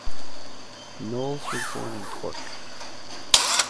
Knowles was born in Cork.